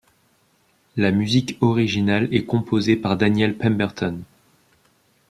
La musique originale est composée par Daniel Pemberton.